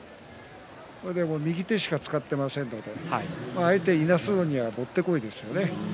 右手しか使っていませんので相手いなすにはもってこいですね。